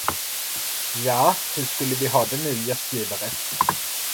Ja, hur skulle vi ha det nu, gästgivare.